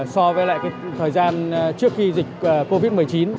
so với lại thời gian trước khi dịch covid một mươi chín